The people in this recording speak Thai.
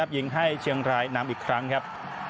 ยิงให้เชียงรายนำอีกครั้งครับ